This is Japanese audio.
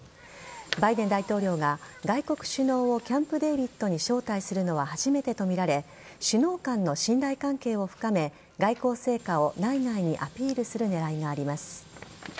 バイデン大統領が外国首脳をキャンプデービッドに招待するのは初めてとみられ首脳間の信頼関係を深め外交成果を、内外にアピールする狙いがあります。